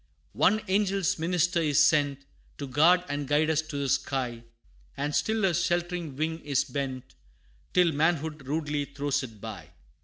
One angel minister is sent, To guard and guide us to the sky, And still Her sheltering wing is bent, Till manhood rudely throws it by.